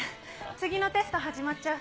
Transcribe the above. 次のテスト始まっちゃう。